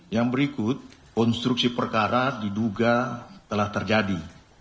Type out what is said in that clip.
yang berikut konstruksi perkara diduga telah terjadi